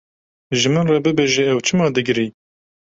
Ji min re bibêje ew çima digirî?